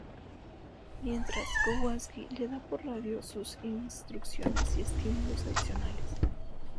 Mientras, Kowalski le da por radio sus instrucciones y estímulo adicionales.